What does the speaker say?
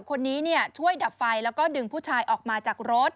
คนนี้ช่วยดับไฟแล้วก็ดึงผู้ชายออกมาจากรถ